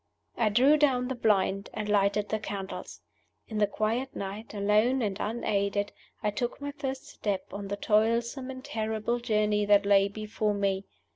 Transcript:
I drew down the blind and lighted the candles. In the quiet night, alone and unaided, I took my first step on the toilsome and terrible journey that lay before me.